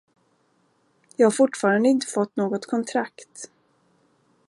Jag har fortfarande inte fått något kontrakt.